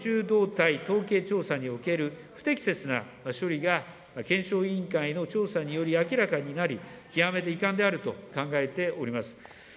動態統計調査における不適切な処理が検証委員会の調査により明らかになり、極めて遺憾であると考えております。